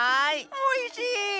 おいしい！